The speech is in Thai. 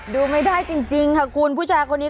ดูไม่ได้จริงค่ะคุณผู้ชายคนนี้